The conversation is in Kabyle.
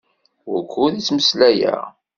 Wukud i ttmeslayeɣ?